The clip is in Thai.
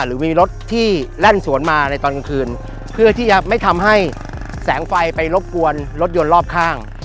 หรือมีรถที่แล่นสวนมาในตอนกลางคืนเพื่อที่จะไม่ทำให้แสงไฟไปรบกวนรถยนต์รอบข้าง